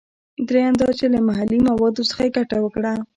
دریم دا چې له محلي موادو څخه یې ګټه وکړه.